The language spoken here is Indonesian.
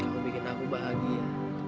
kamu bikin aku bahagia